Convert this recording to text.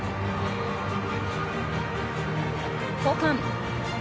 交換。